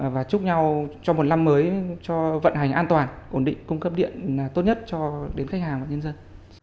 và chúc nhau cho một năm mới cho vận hành an toàn ổn định cung cấp điện tốt nhất cho đến khách hàng và nhân dân